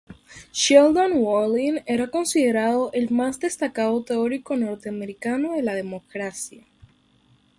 Sheldon Wolin era considerado el más destacado teórico norteamericano de la democracia.